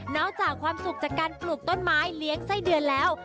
อกจากความสุขจากการปลูกต้นไม้เลี้ยงไส้เดือนแล้ว